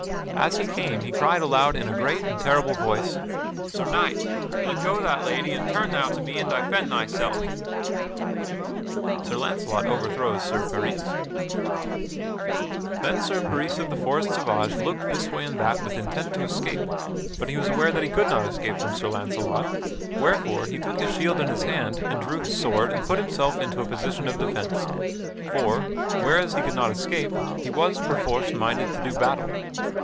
As he came he cried aloud in a great and terrible voice: "Sir Knight, let go that lady, and turn thou to me and defend thyself!" [Sidenote: Sir Launcelot overthrows Sir Peris] Then Sir Peris of the Forest Sauvage looked this way and that with intent to escape, but he was aware that he could not escape from Sir Launcelot, wherefore he took his shield in hand and drew his sword and put himself into a position of defence; for, whereas he could not escape, he was, perforce, minded to do battle.